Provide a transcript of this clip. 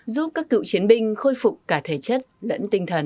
giúp các cựu chiến binh khôi phục cả thể chất lẫn tinh thần